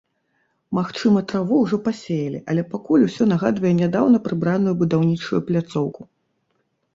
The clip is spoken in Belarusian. Магчыма, траву ўжо пасеялі, але пакуль усё нагадвае нядаўна прыбраную будаўнічую пляцоўку.